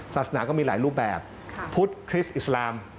ศาสนาก็มีหลายรูปแบบพุทธคริสต์อิสลาม